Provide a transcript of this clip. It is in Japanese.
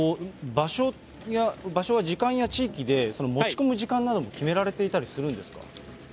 場所は、時間や地域で、持ち込む時間なども決められていたりするんですか。